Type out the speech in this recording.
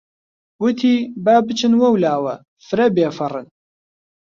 وتی: با بچن وەولاوە فرە بێفەڕن!